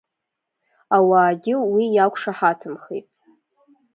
Ауаагьы уи иақәшаҳаҭымхеит.